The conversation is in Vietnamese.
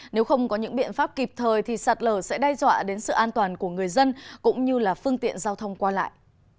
nếu không có những biện pháp kịp thời thì sạt lở sẽ đe dọa đến sự an toàn của người dân cũng như là phương tiện giao thông qua lại